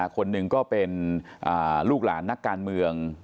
คนหนึ่งก็เป็นลูกหลานนักการเมือง